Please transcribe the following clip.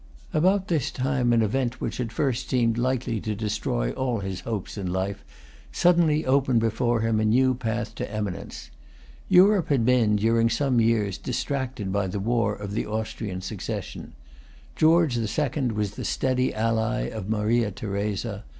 About this time an event which at first seemed likely to destroy all his hopes in life suddenly opened before him a new path to eminence. Europe had been, during some years, distracted by the war of the Austrian succession. George the Second was the steady ally of Maria Theresa.